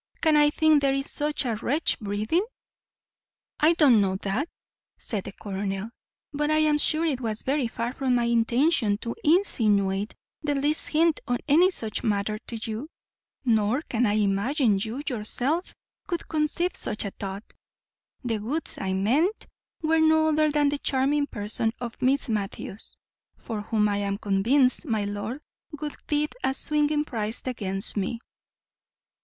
Can I think there is such a wretch breathing?" "I don't know that," said the colonel, "but I am sure it was very far from my intention to insinuate the least hint of any such matter to you. Nor can I imagine how you yourself could conceive such a thought. The goods I meant were no other than the charming person of Miss Matthews, for whom I am convinced my lord would bid a swinging price against me."